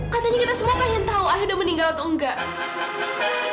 katanya kita semua pengen tahu ahy udah meninggal atau enggak